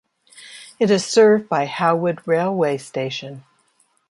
It is served by Howwood railway station.